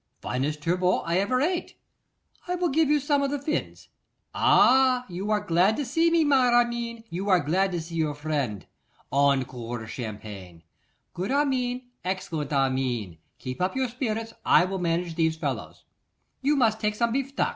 Finest turbot I ever ate! I will give you some of the fins. Ah! you are glad to see me, my Armine, you are glad to see your friend. Encore champagne! Good Armine, excellent Armine! Keep up your spirits, I will manage these fellows. You must take some bifteac.